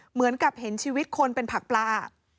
เหมือนกับเห็นชีวิตคนเป็นผักปลา